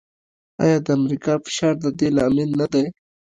آیا د امریکا فشار د دې لامل نه دی؟